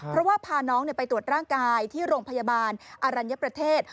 เพราะว่าพาน้องไปตรวจร่างกายที่โรงพยาบาลอรัญญประเทศ